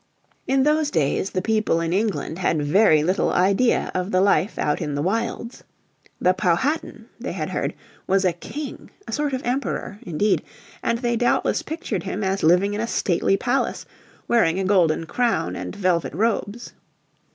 In those days the people in England had very little idea of the life out in the wilds. The Powhatan, they had heard, was a king, a sort of emperor, indeed, and they doubtless pictured him as living in a stately palace, wearing a golden crown and velvet robes.